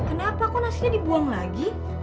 kenapa kok nasinya dibuang lagi